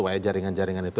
wa ya jaringan jaringan itu